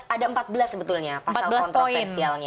ada empat belas sebetulnya pasal kontroversialnya